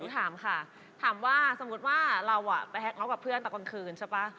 ถามค่ะถามว่าสมมุติว่าเราไปแฮกร้องกับเพื่อนตอนกลางคืนใช่ป่ะ